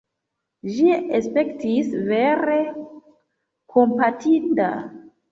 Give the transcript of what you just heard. Ĝi aspektis vere kompatinda.